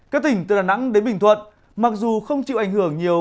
các tỉnh từ đà nẵng đến bình thuận mặc dù không chịu ảnh hưởng nhiều